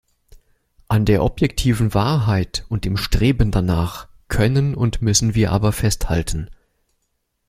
An der objektiven Wahrheit und dem Streben danach können und müssen wir aber festhalten.